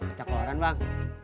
acak koran bang